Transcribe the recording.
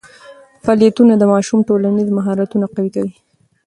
فعالیتونه د ماشوم ټولنیز مهارتونه قوي کوي.